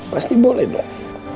pasti boleh dong